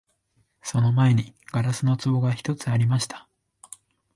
その前に硝子の壺が一つありました